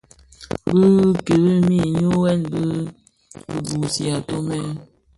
Bi kilmi nhyughèn dhi kibuusi atumè.